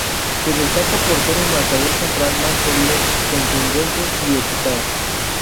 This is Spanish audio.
Se destaca por ser un marcador central más sólido, contundente y eficaz.